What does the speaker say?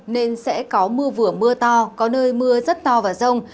nên sẽ có mưa vừa mưa to có nơi mưa rất to và rông